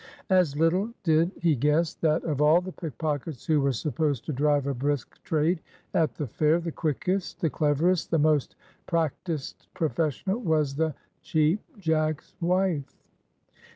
As little did he guess that of all the pickpockets who were supposed to drive a brisk trade at the fair, the quickest, the cleverest, the most practised professional was the Cheap Jack's wife.